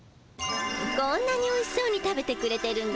こんなにおいしそうに食べてくれてるんだもん。